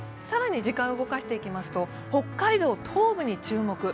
更に時間を動かしていきますと北海道東部に注目。